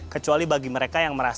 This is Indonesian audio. kecuali bagi mereka yang merasa